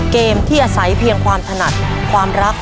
เกมที่อาศัยเพียงความถนัดความรัก